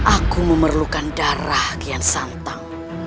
aku memerlukan darah kian santang